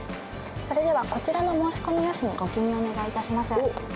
それではこちらのお申込用紙にご記入をお願い致します。